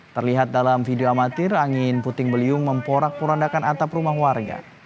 terlihat dalam video amatir angin puting beliung memporak porandakan atap rumah warga